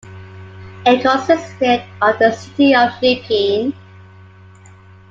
It consisted of the City of Nepean.